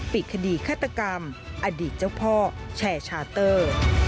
ปิดคดีฆาตกรรมอดีตเจ้าพ่อแชร์ชาเตอร์